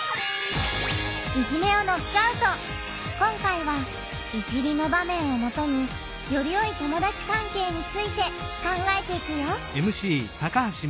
今回は「いじり」の場面をもとによりよい友だち関係について考えていくよ！